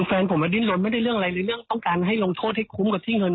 ก็ช่วยหมดนะอะไรอย่างเงี้ยแต่เรื่องนี้เรื่องประเด็นเดียวเองอ่ะ